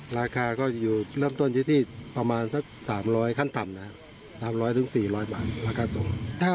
ราคาก็อยู่เริ่มต้นที่ประมาณสัก๓๐๐ขั้นต่ำนะครับ